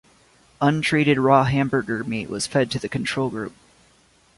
Untreated raw hamburger meat was fed to the control group.